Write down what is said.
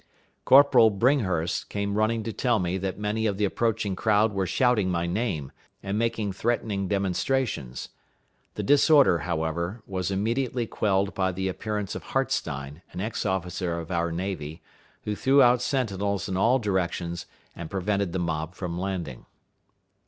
Corporal Bringhurst came running to tell me that many of the approaching crowd were shouting my name, and making threatening demonstrations. The disorder, however, was immediately quelled by the appearance of Hartstein, an ex officer of our navy, who threw out sentinels in all directions, and prevented the mob from landing.